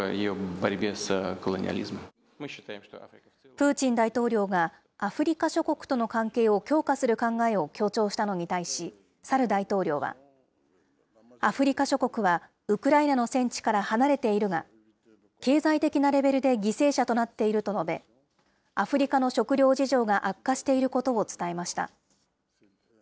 プーチン大統領が、アフリカ諸国との関係を強化する考えを強調したのに対し、サル大統領は、アフリカ諸国はウクライナの戦地から離れているが、経済的なレベルで犠牲者となっていると述べ、アフリカの食糧事情が悪化していることを伝えました。